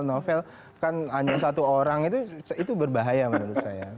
novel kan hanya satu orang itu berbahaya menurut saya